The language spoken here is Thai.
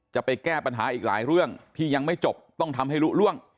จะไปแก้ปัญหาอีกหลายเรื่องที่ยังไม่จบต้องทำให้รู้ล่วง